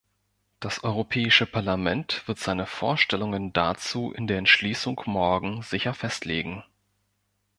Das Europäische Parlament wird seine Vorstellungen dazu in der Entschließung morgen sicher festlegen.